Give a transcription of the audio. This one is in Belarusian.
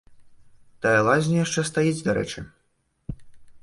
Тая лазня яшчэ стаіць, дарэчы.